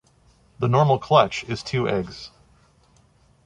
The normal clutch is two eggs.